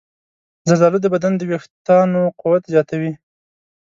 زردالو د بدن د ویښتانو قوت زیاتوي.